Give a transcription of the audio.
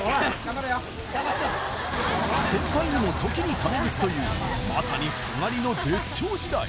先輩にも時にタメ口というまさに尖りの絶頂時代